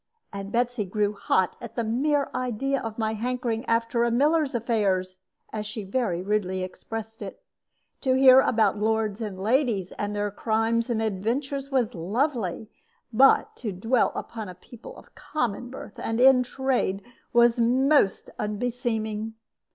And Betsy grew hot at the mere idea of my hankering after a miller's affairs, as she very rudely expressed it. To hear about lords and ladies, and their crimes and adventures, was lovely; but to dwell upon people of common birth, and in trade, was most unbeseeming.